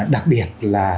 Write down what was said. đặc biệt là